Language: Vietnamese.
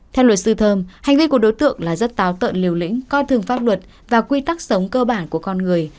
theo luật sư thơm hành vi của đối tượng là rất táo tợn liều lĩnh coi thường pháp luật và quy tắc sống cơ bản của con người